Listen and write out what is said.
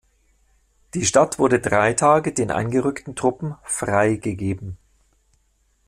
Die Stadt wurde drei Tage den eingerückten Truppen „freigegeben“.